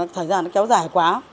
thời gian nó kéo dài quá